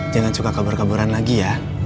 jangan suka kabur kaburan lagi ya